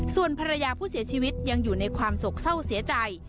ส่วนภรรยาผู้เสียชีวิตยังอยู่ในความโศกเศร้าเสียใจ